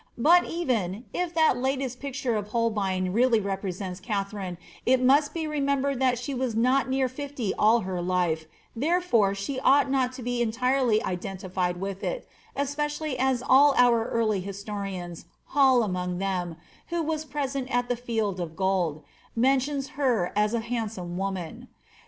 ren, if that latest picture of Holbein really represents Katharine, it be remembered that she was not near fifty all her life, therefore she not to be entirely identified with it, especially as all our early ians, Hall among them (who was present at the Field of Gold), DO her as a handsome woman.